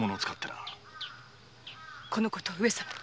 このこと上様に！